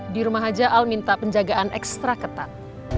di rumah aja al minta penjagaan ekstra ketat